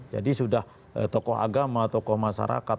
jadi sudah tokoh agama tokoh masyarakat